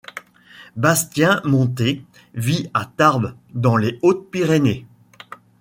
Bastien Montès vit à Tarbes dans les Hautes-Pyrénées.